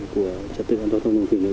của trật tự an toàn thông dân thủy nơi địa